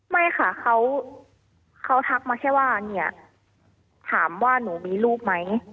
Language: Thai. ไม่ค่ะเขาทักมาแค่ว่าเนี่ยถามว่าหนูมีลูกไหม